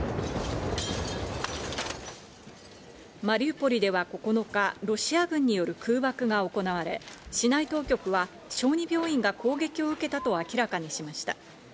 マリウポリでは９日、ロシア軍による空爆が行われ、市内当局は小児病院が攻撃を受けたと明らかにしました。